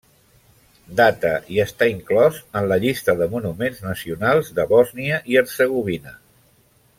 Data del i està inclòs en la llista de monuments nacionals de Bòsnia i Hercegovina.